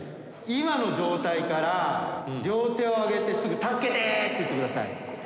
今の状態から両手を上げてすぐ「助けて」って言ってください。